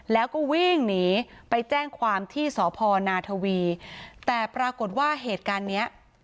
แล้วก็วิ่งหนีไปแจ้งความที่สพนาทวีแต่ปรากฏว่าเหตุการณ์เนี้ย